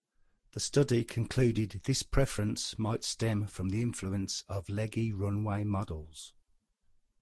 The study concluded this preference might stem from the influence of leggy runway models.